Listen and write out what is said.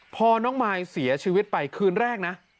พอน้องมายเสียชีวิตไปคืนแรกนะ